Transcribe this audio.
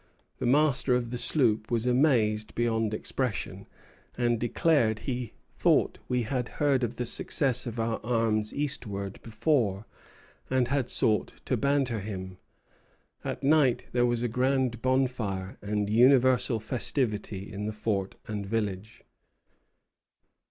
The master of the sloop was amazed beyond expression, and declared he thought we had heard of the success of our arms eastward before, and had sought to banter him." At night there was a grand bonfire and universal festivity in the fort and village.